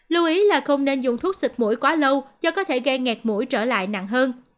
lưu ý là không nên dùng thuốc xịt mũi quá lâu do có thể gây ngẹt mũi trở lại nặng hơn